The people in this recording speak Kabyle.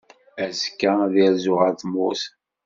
Azekka, ad irzu ɣer tmurt.